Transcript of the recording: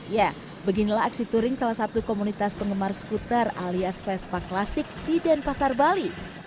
ya beginilah aksi touring salah satu komunitas penggemar skuter alias vespa klasik di denpasar bali